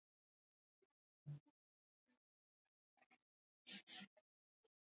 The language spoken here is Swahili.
Makundi ya wanajihadi yenye uhusiano na al-Qaeda na Dola ya Kiislamiu